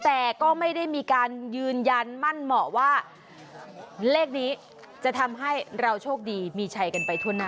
แต่ก็ไม่ได้มีการยืนยันมั่นเหมาะว่าเลขนี้จะทำให้เราโชคดีมีชัยกันไปทั่วหน้า